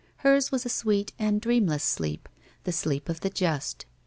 Hers was a sweet and dreamless sleep, the sleep of the just.